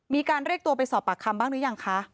มีการเรียกตัวไปสอบปากคำบ้างหรือยังคะ